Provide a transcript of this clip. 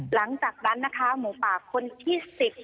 หลังจากนั้นนะคะหมูป่าคนที่๑๐